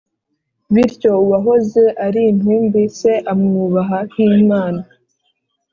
bityo uwahoze ari intumbi, se amwubaha nk’imana,